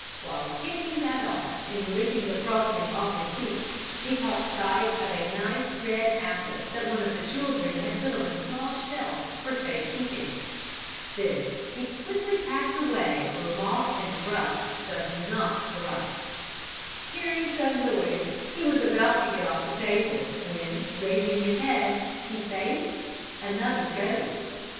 While kicking that off, and licking the frosting off his feet, he caught sight of a nice red apple that one of the children had put on a small shelf for safe keeping. This he quickly packed away where moth and rust doth not corrupt. Hearing some noise, he was about to get off the table, when raising his head, he faced another goat.